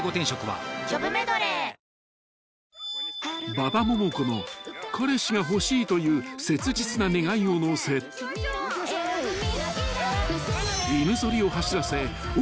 ［馬場ももこの彼氏が欲しいという切実な願いを乗せ犬ぞりを走らせオーロラツアーに］